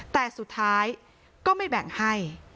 แต่สุดท้ายก็ไม่แบ่งให้